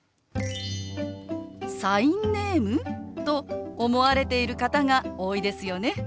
「サインネーム？」と思われている方が多いですよね。